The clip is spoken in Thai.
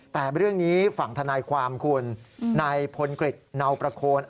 แต่เรื่องนี้ฝั่งทนายความคุณนายพลกฤษเนาประโคน